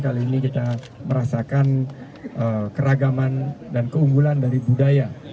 kali ini kita merasakan keragaman dan keunggulan dari budaya